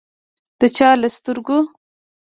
د چا له سترګو